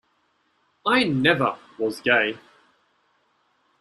I never was gay.